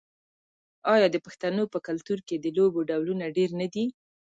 آیا د پښتنو په کلتور کې د لوبو ډولونه ډیر نه دي؟